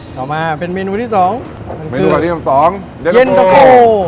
ต่อมาเป็นเมนูที่สองเมนูที่สองเย็นเตอร์โฟ